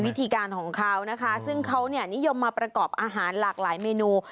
วิธีการของเขานะคะซึ่งเขาเนี่ยนิยมมาประกอบอาหารหลากหลายเมนู